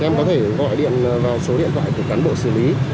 em có thể gọi điện vào số điện thoại của cán bộ xử lý